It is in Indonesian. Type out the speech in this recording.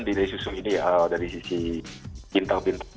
dari sisi pintar pintar